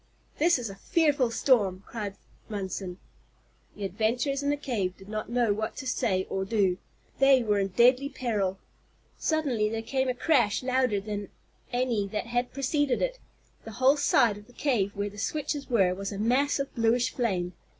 "This is a fearful storm," cried Munson. The adventurers in the cave did not know what to say or do. They were in deadly peril. Suddenly there came a crash louder than any that had preceded it. The whole side of the cave where the switches were was a mass of bluish flame.